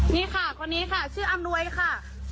นี่ค่ะคนนี้ค่ะชื่ออำนวยค่ะ